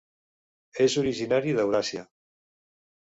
És originari d'Euràsia.